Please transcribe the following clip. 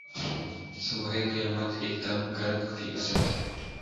صبح قیامت ایک دم گرگ تھی اسدؔ